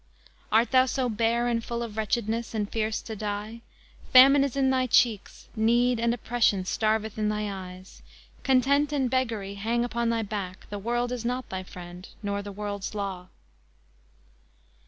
_"Art thou so bare and full of wretchedness, And fear'st to die? Famine is in thy cheeks, Need and oppression starveth in thy eyes, Content and beggary hang upon thy back; The world is not thy friend, nor the world's law!"